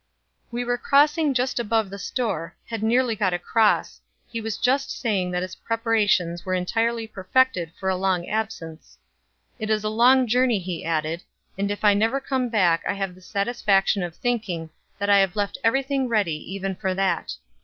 "We were crossing just above the store; had nearly got across; he was just saying that his preparations were entirely perfected for a long absence. 'It is a long journey,' he added, 'and if I never come back I have the satisfaction of thinking that I have left everything ready even for that.